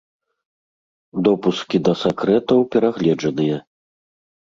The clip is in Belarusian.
Допускі да сакрэтаў перагледжаныя.